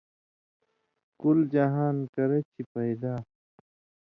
کُل جہان کرہ چھے پیدا